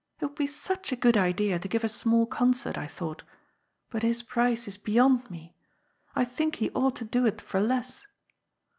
It would be such a good idea to give a small concert, I thought. But his price is beyond me. I think he ought to do it for less."